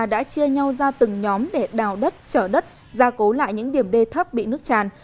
đã chia nhau ra từng nhóm để đào đất trở đất gia cố lại những điểm đê thấp bị nước tràn